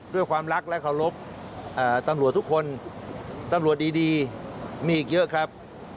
ด้วยความรักและเคารพตำรวจทุกคนตำรวจดีมีอีกเยอะครับ